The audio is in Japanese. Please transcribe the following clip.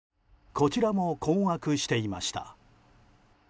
こちらも困惑していました。